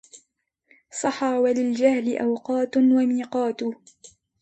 صحا وللجهل أوقات وميقات